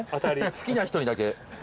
好きな人にだけ。